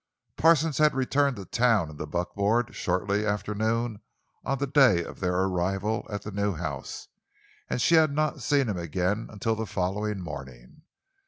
Parsons had returned to town in the buckboard shortly after noon on the day of their arrival at the new house, and she had not seen him again until the following morning.